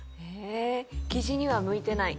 キジには向いてない。